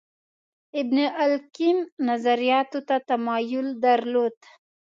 ابن القیم نظریاتو ته تمایل درلود